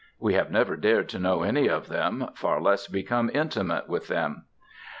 We have never dared to know any of them, far less become intimate with them.